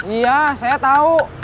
iya saya tau